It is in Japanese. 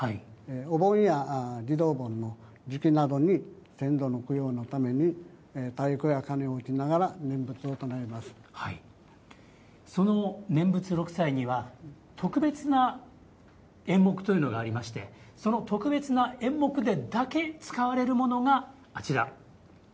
お盆や地蔵盆の時期などに先祖の供養のために太鼓や鉦を打ちながらその念仏六斎には特別な演目というのがありましてその特別な演目でだけ使われるものがあちら。